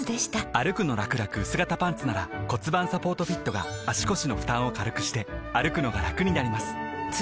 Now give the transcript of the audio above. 「歩くのらくらくうす型パンツ」なら盤サポートフィットが足腰の負担を軽くしてくのがラクになります覆个△